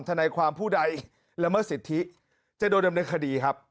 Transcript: ทนายความผู้ใดละเมิดสิทธิจะโดนดำเนินคดีครับ